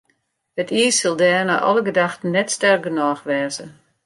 It iis sil dêr nei alle gedachten net sterk genôch wêze.